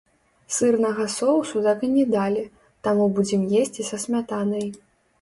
Сырнага соусу так і не далі, таму будзем есці са смятанай.